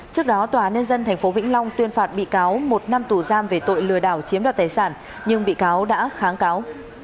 trước đó tòa nên dân thành phố vĩnh long tuyên phạt bị cáo một năm tù giam về tội lừa đảo chiếm đặt tài sản nhưng bị cáo đã kháng cáo